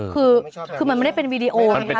คือมันไม่ได้เป็นวีดีโอไง